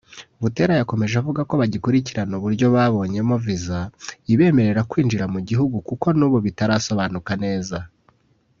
Butera yakomeje avuga ko bagikurikirana uburyo babonyemo viza ibemerera kwinjira mu gihugu kuko n’ubu bitarasobanuka neza